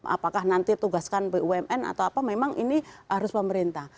apakah nanti tugaskan bumn atau apa memang ini harus pemerintah